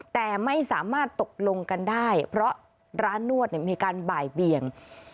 แต่ไม่สามารถตกลงกันได้เพราะร้านนวดมีการบ่ายเบียง